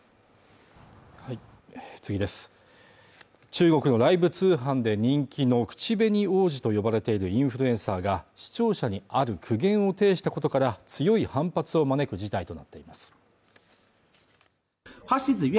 中国のライブ通販で人気の口紅王子と呼ばれているインフルエンサーが視聴者にある苦言を呈したことから強い反発を招く事態となっています